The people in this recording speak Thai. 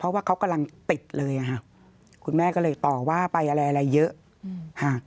เพราะว่าเขากำลังติดเลยแม่ก็เลยต่อว่าไปอะไรเยอะ